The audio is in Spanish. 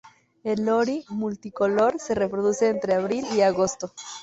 El lori multicolor se reproduce entre abril y agosto.